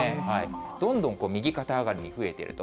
どんどん右肩上がりに増えていると。